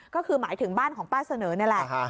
ก็คือหมายถึงบ้านของป้าเสนอนี่แหละ